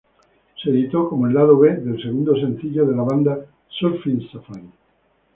Se editó como lado B del segundo sencillo de la banda "Surfin' Safari".